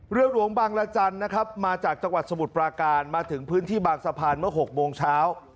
เรือหลวงบางรจันทร์นะครับมาจากจังหวัดสมุทรปราการมาถึงพื้นที่บางสะพานเมื่อ๖โมงเช้า